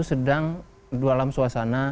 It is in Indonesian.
sedang dalam suasana